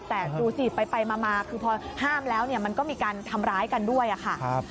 แต่ดูสิไปมาคือพอห้ามแล้วเนี่ยมันก็มีการทำร้ายกันด้วยค่ะ